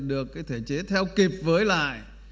được cái thể chế theo kịp với lại